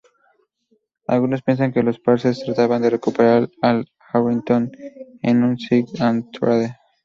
Algunos piensan que los Pacers trataban de recuperar a Al Harrington en un sign-and-trade.